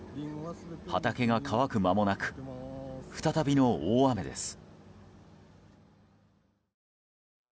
畑が乾く間もなく再びの大雨です。